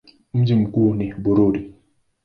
Mji mkuu ni Bururi.